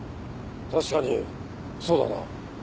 確かにそうだな。